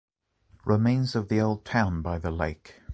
Remains of the old town by the lake.